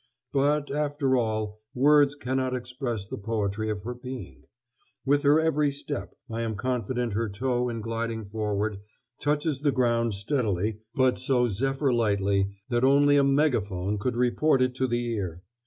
But, after all, words cannot express the poetry of her being. With her every step, I am confident her toe in gliding forward touches the ground steadily, but so zephyr lightly, that only a megaphone could report it to the ear.